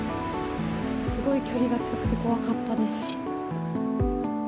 すごい距離が近くて怖かったです。